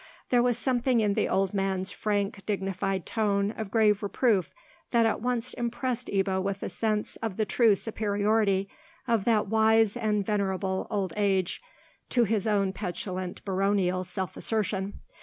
There was something in the old man's frank, dignified tone of grave reproof that at once impressed Ebbo with a sense of the true superiority of that wise and venerable old age to his own petulant baronial self assertion.